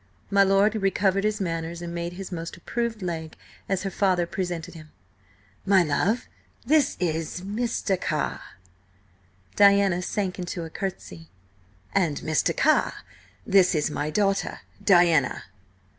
My lord recovered his manners and made his most approved leg as her father presented him. "My love, this is Mr. Carr—" Diana sank into a curtsey. "—and, Mr. Carr, this is my daughter, Diana."